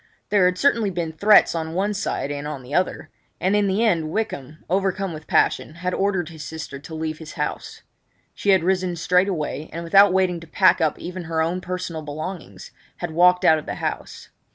There had certainly been threats on one side and on the other; and in the end Wykham, overcome with passion, had ordered his sister to leave his house. She had risen straightway, and, without waiting to pack up even her own personal belongings, had walked out of the house.